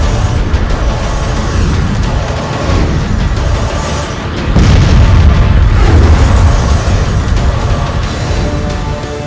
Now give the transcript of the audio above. mereka bisa menempati tempat disana